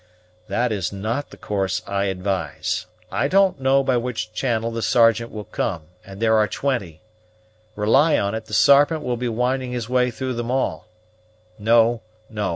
"That is not the course I advise. I don't know by which channel the Sergeant will come, and there are twenty; rely on it, the Sarpent will be winding his way through them all. No, no!